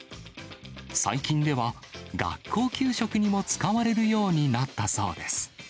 最近では学校給食にも使われるようになったそうです。